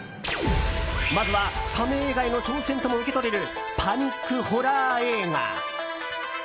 まずは、サメ映画への挑戦とも受け取れるパニックホラー映画。